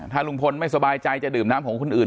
ถ้าลุงพลไม่สบายใจจะดื่มน้ำของคนอื่น